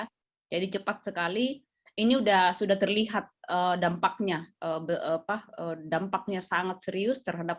hai jadi cepat sekali ini udah sudah terlihat dampaknya bebah dampaknya sangat serius terhadap